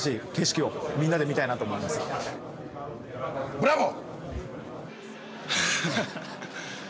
ブラボー！